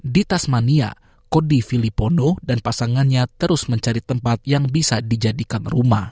di tasmania kodi filipondo dan pasangannya terus mencari tempat yang bisa dijadikan rumah